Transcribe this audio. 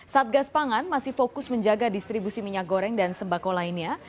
satgas pangan masih fokus menjaga distribusi minyak goreng dan sembako lainnya